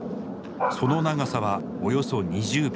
その長さはおよそ２０秒。